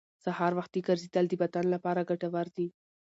سهار وختي ګرځېدل د بدن لپاره ګټور دي